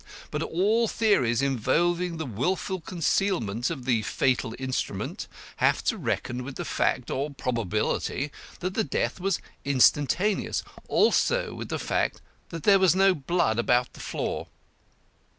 But all theories involving the wilful concealment of the fatal instrument have to reckon with the fact or probability that death was instantaneous, also with the fact that there was no blood about the floor.